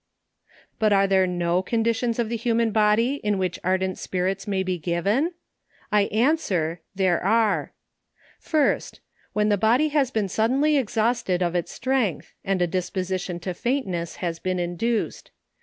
But are there no conditions of the human body in which ar dent spirits may be given? I answer, there are, 1st. When the body has been suddenly exhausted of it« strength, and a disposition to faintness has been induced.